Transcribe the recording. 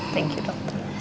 terima kasih dokter